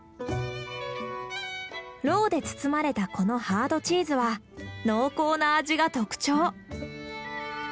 ロウで包まれたこのハードチーズは濃厚な味が特徴。